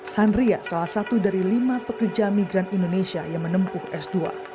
sandria salah satu dari lima pekerja migran indonesia yang menempuh s dua